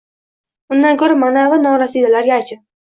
Undan ko`ra manavi norasidalarga achin